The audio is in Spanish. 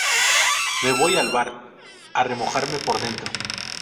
Me voy al bar a remojarme por dentro